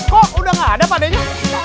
kok udah gak ada padanya